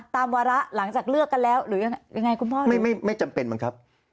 ตามวรรณะหลังจากเลือกกันแล้วหรือยังไงคุณพ่อไม่จำเป็นเหมือนครับ